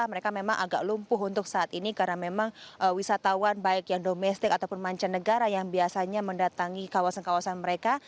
mereka memang agak lumpuh untuk saat ini karena memang wisatawan baik yang domestik ataupun mancanegara yang biasanya mendatangi kawasan kawasan mereka